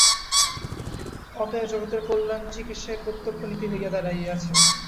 অতএব জগতের কল্যাণচিকীর্ষাই প্রত্যক্ষ নীতি হইয়া দাঁড়াইয়াছে।